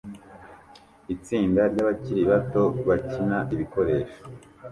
Itsinda ryabakiri bato bakina ibikoresho